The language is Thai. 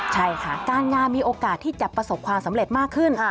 ใช่ค่ะการงานมีโอกาสที่จะประสบความสำเร็จมากขึ้น